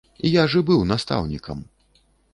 Я ж і быў настаўнікам!